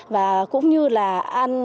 và cũng như là ăn